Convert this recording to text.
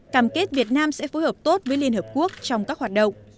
cảm kết việt nam sẽ phối hợp tốt với liên hợp quốc trong các hoạt động